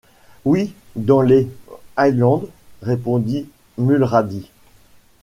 Oui, dans les Highlands, répondit Mulrady.